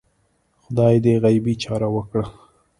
خدای دې غیبي چاره وکړه